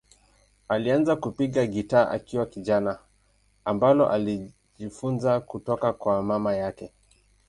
Alianza kupiga gitaa akiwa kijana, ambalo alijifunza kutoka kwa mama yake.